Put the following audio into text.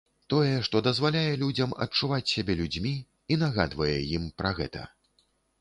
Тое, што дазваляе людзям адчуваць сябе людзьмі і нагадвае ім пра гэта.